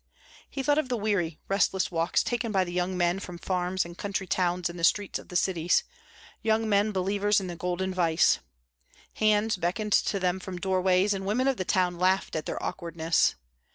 He thought of the weary, restless walks taken by the young men from farms and country towns in the streets of the cities; young men believers in the golden vice. Hands beckoned to them from doorways, and women of the town laughed at their awkwardness.